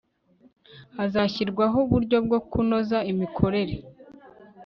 hazashyirwaho uburyo bwo kunoza imikorere